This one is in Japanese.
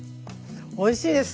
おいしいです！